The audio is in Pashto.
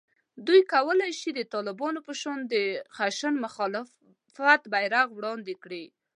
دوی کولای شي د طالبانو په شان د خشن مخالفت بېرغ وړاندې کړي